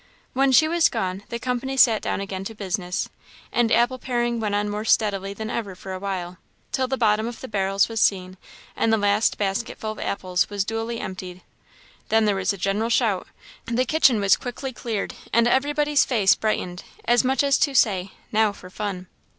When she was gone, the company sat down again to business; and apple paring went on more steadily than ever for a while, till the bottom of the barrels was seen, and the last basketful of apples was duly emptied. Then there was a general shout; the kitchen was quickly cleared, and everybody's face brightened, as much as to say, "Now for fun!"